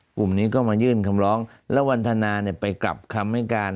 กลุ่มนี้ก็มายื่นคำร้องแล้ววันทนาไปกลับคำให้การ